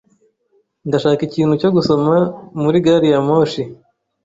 Ndashaka ikintu cyo gusoma muri gari ya moshi.